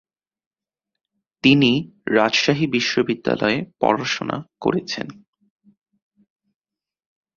তিনি রাজশাহী বিশ্ববিদ্যালয়ে পড়াশোনা করেছেন।